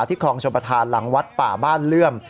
คลองชมประธานหลังวัดป่าบ้านเลื่อม